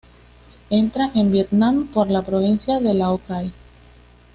Entra en Vietnam por la provincia de Lao Cai.